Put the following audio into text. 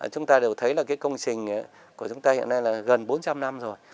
chúng ta đều thấy công trình của chúng ta hiện nay gần bốn trăm linh năm rồi